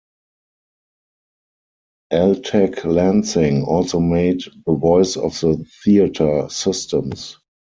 Altec Lansing also made the Voice of the Theatre systems.